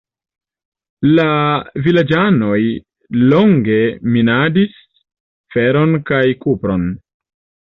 La vilaĝanoj longe minadis feron kaj kupron.